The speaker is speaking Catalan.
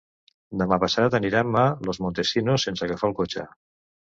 Demà passat anirem a Los Montesinos sense agafar el cotxe.